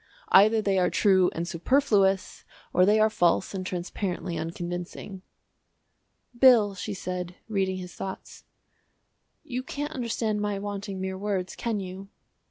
Either they are true and superfluous, or they are false and transparently unconvincing." "Bill," she said, reading his thoughts, "you can't understand my wanting mere words, can you?"